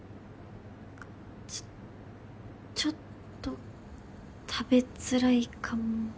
ちょっちょっと食べづらいかも。